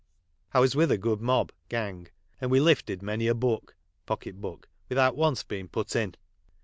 I was with a good mob (gang), and wo lifted many a book (pocket book) without once being put in.